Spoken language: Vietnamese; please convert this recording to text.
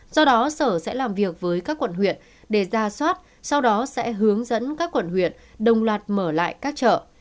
do đó sở sẽ làm việc với các quận huyện để ra soát sau đó sẽ hướng dẫn các quận huyện đồng loạt mở lại các chợ